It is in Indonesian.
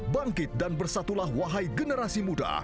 bangkit dan bersatulah wahai generasi muda